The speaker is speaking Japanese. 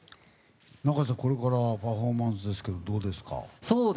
永瀬、これからパフォーマンスですけどどうですか？